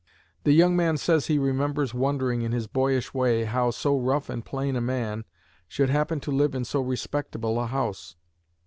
The young man says he remembers wondering in his boyish way how so rough and plain a man should happen to live in so respectable a house.